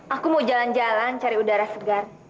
aku mau jalan jalan cari udara segar